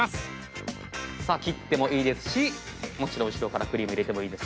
切ってもいいですし後ろからクリーム入れてもいいですし。